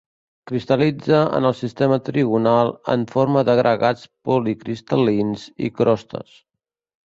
Cristal·litza en el sistema trigonal en forma d'agregats policristal·lins i crostes.